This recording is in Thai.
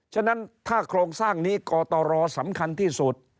ฉะนั้นถ้าโครงสร้างนี้กตรสำคัญที่สุด